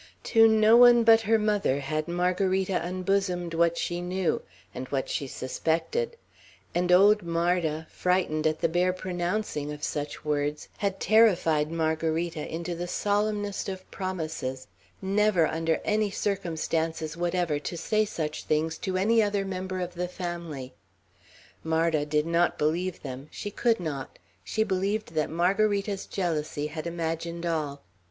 To no one but her mother had Margarita unbosomed what she knew, and what she suspected; and old Marda, frightened at the bare pronouncing of such words, had terrified Margarita into the solemnest of promises never, under any circumstances whatever, to say such things to any other member of the family. Marda did not believe them. She could not. She believed that Margarita's jealousy had imagined all.